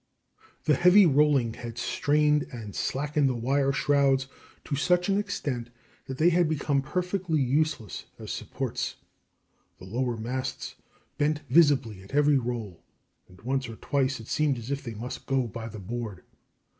The heavy rolling had strained and slackened the wire shrouds to such an extent that they had become perfectly useless as supports. The lower masts bent visibly at every roll, and once or twice it seemed as if they must go by the board.